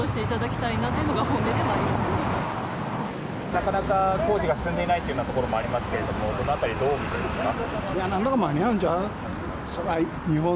なかなか工事が進んでいないところもありますがその辺りどうみていますか。